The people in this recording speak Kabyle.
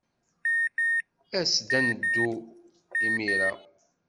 As-d ad neddu imir-a.